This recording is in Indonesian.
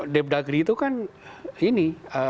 depdageri itu kan ini